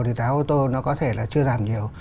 thì giá ô tô nó có thể là chưa giảm nhiều